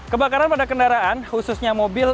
kebakaran pada kendaraan khususnya mobil